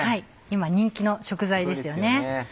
今人気の食材ですよね。